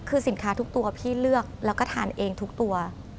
คือสินค้าทุกตัวพี่เลือกแล้วก็ทานเองทุกตัว